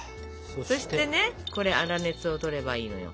そしてねこれ粗熱をとればいいのよ。